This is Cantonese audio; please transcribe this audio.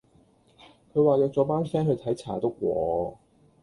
佢話約咗班 fan 去睇查篤喎